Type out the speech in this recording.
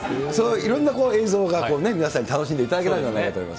いろんな映像が皆さんに楽しんでいただけたと思います。